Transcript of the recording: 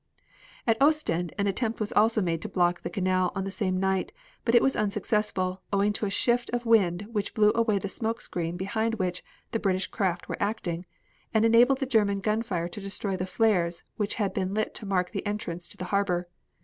At Ostend an attempt was also made to block the canal on the same night, but it was unsuccessful owing to a shift of wind which blew away the smoke screen behind which the British craft were acting, and enabled the German gun fire to destroy the flares which had been lit to mark the entrance to the harbor.